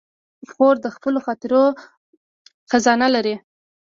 خور د خپلو خاطرو خزانه لري.